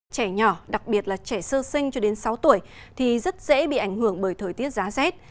trẻ nhỏ đặc biệt là trẻ sơ sinh cho đến sáu tuổi thì rất dễ bị ảnh hưởng bởi thời tiết giá rét